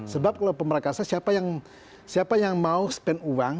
sebab kalau pemerakasa siapa yang mau spend uang